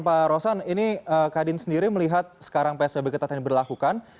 pak rosan ini kadin sendiri melihat sekarang psbb ketat yang diberlakukan